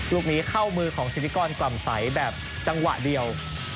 ลูกนี้เข้ามือของสิทธิกรกล่ำใสแบบจังหวะเดียว